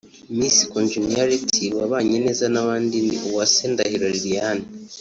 Miss (congeniality) wabanye neza n’ abandi ni Uwase Ndahiro Liliane